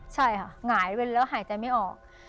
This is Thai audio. ใช่ค่ะหงายเป็นแล้วหายใจไม่ออก